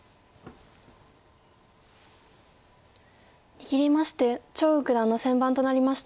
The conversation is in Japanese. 握りまして張栩九段の先番となりました。